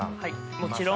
もちろん。